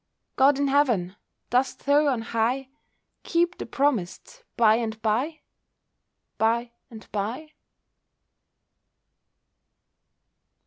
God in Heaven! dost Thou on high, Keep the promised "by and bye"—by and bye?